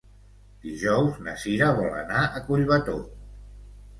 Dijous na Cira vol anar a Collbató.